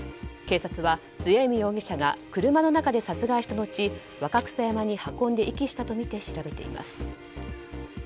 警察は末海容疑者が車の中で殺害した後若草山に運んで遺棄したとみて調べています。